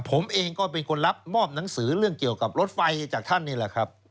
ผมเองก็เป็นคนรับมอบหนังสือเรื่องเกี่ยวกับรถไฟจากท่านนี่แหละครับ